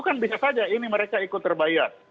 kan bisa saja ini mereka ikut terbayar